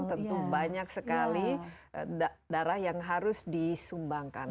tentu banyak sekali darah yang harus disumbangkan